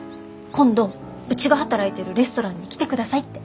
「今度うちが働いてるレストランに来てください」って。